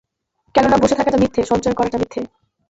কেননা বসে থাকাটা মিথ্যে, সঞ্চয় করাটা মিথ্যে।